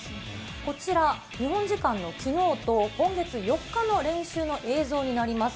こちら、日本時間のきのうと今月４日の練習の映像になります。